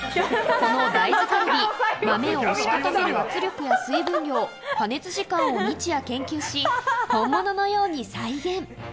この大豆カルビ、豆を押し固める圧力や水分量、加熱時間を日夜研究し、本物のように再現。